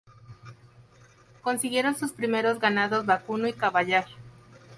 Consiguieron sus primeros ganados vacuno y caballar.